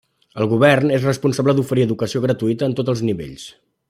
El govern és responsable d'oferir educació gratuïta en tots els nivells.